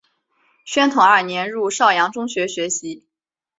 宣统二年入邵阳中学学习。